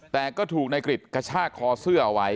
แต่ก็ถูกนายกริจกระชากคอเสื้อเอาไว้